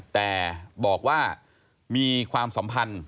แต่บอกว่ามีความสัมพันธ์